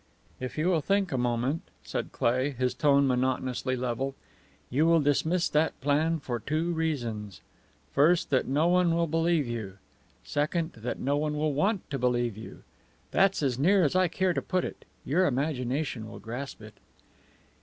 "If you will think a moment," said Cleigh, his tone monotonously level, "you will dismiss that plan for two reasons: First, that no one will believe you; second, that no one will want to believe you. That's as near as I care to put it. Your imagination will grasp it."